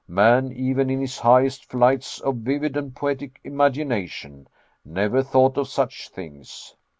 Man, even in his highest flights of vivid and poetic imagination, never thought of such things!